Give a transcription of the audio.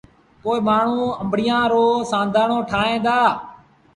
پو مآڻهوٚٚݩ آݩبڙيآݩ رو سآݩڌآڻو ٺاهيݩ دآ۔